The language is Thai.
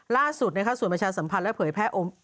ล่าสุดส่วนประชาสัมพันธ์และเผยแพร่